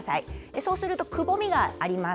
そうするとくぼみがあります。